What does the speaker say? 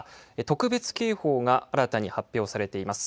特別警報が新たに発表されています。